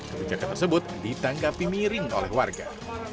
kebijakan tersebut ditanggapi miring oleh warga